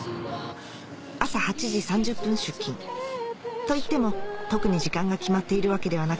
朝８時３０分出勤といっても特に時間が決まっているわけではなく